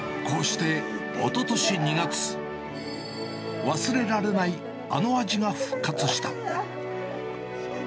こうして、おととし２月、忘れられないあの味が復活した。